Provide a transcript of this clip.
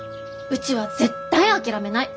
うちは絶対諦めない。